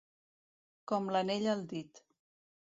Com l'anell al dit.